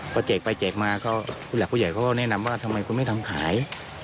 พอแจกไปแจกมาก็ผู้หลักผู้ใหญ่เขาก็แนะนำว่าทำไมคุณไม่ทำขาย